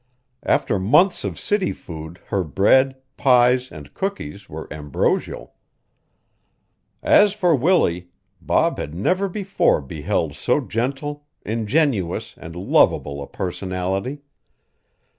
After months of city food her bread, pies, and cookies were ambrosial. As for Willie Bob had never before beheld so gentle, ingenuous and lovable a personality.